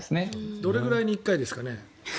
どれくらいに１回ですかね？